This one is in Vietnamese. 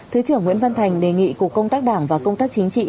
thứ trưởng nguyễn văn thành đề nghị cục công tác đảng và công tác chính trị